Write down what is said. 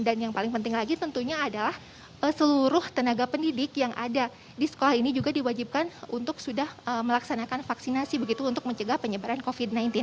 yang paling penting lagi tentunya adalah seluruh tenaga pendidik yang ada di sekolah ini juga diwajibkan untuk sudah melaksanakan vaksinasi begitu untuk mencegah penyebaran covid sembilan belas